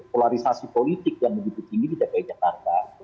polarisasi politik yang begitu tinggi di dki jakarta